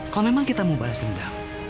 kalau memang kita mau balas dendam